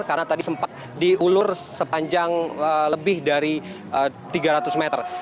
karena tadi sempat diulur sepanjang lebih dari tiga ratus meter